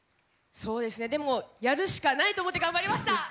でもやるしかないと思って頑張りました！